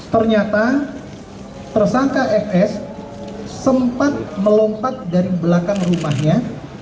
ternyata tersangka fs sempat melompat dari belakang rumahnya